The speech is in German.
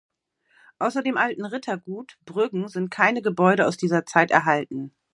Außer dem alten Rittergut Brüggen sind keine Gebäude aus dieser Zeit erhalten.